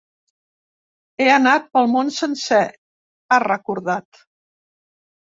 He anat pel món sencer, ha recordat.